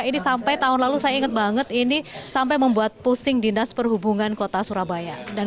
ini sampai tahun lalu saya ingat banget ini sampai membuat pusing dinas perhubungan kota surabaya dan